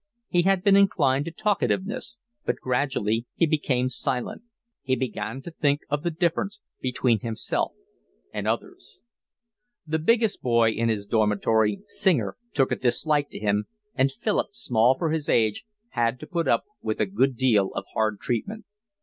He had been inclined to talkativeness, but gradually he became silent. He began to think of the difference between himself and others. The biggest boy in his dormitory, Singer, took a dislike to him, and Philip, small for his age, had to put up with a good deal of hard treatment.